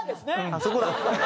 あっそこだ。